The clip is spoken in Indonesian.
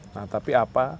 nah tapi apa